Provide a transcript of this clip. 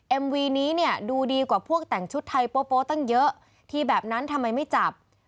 วีนี้เนี่ยดูดีกว่าพวกแต่งชุดไทยโป๊ตั้งเยอะที่แบบนั้นทำไมไม่จับ